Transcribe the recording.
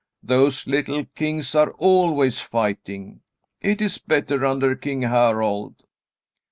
Those little kings are always fighting. It is better under King Harald."